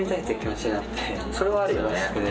それはあるよね。